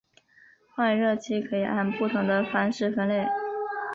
换热器可以按不同的方式分类。